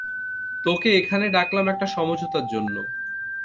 তোকে এখানে ডাকলাম একটা সমঝোতার জন্য।